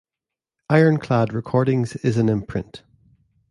IronClad Recordings is an imprint.